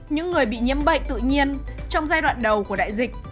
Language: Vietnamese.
những người bị nhiễm bệnh tự nhiên trong giai đoạn đầu của đại dịch